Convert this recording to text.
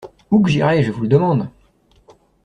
Où que j'irai, je vous le demande?